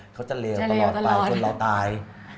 เขาจะเลวตลอดไปจนเราตาย